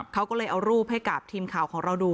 เขาก็เลยเอารูปให้กับทีมข่าวของเราดู